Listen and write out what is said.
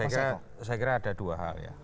saya kira ada dua hal ya